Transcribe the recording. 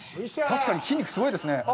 確かに筋肉がすごいですね。